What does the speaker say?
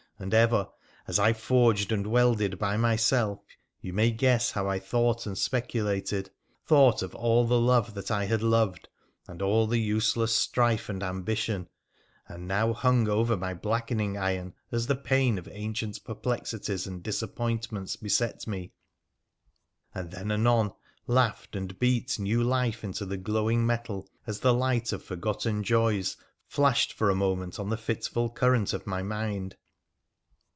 And ever as I forged and welded by myself you may guess how I thought and speculated — thought of all the love that I had loved, and all the useless strife and ambition, and now hung over my blackening iron as the pain of ancient perplexities and disappointments beset me, and then anon laughed and beat new life into the glowing metal as the light of forgotten joys flashed for a moment on the fitful current of my mind.